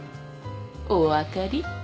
お分かり？